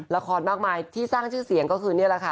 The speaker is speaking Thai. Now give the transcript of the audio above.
ละครมากมายที่สร้างชื่อเสียงก็คือนี่แหละค่ะ